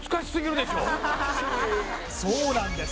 そうなんです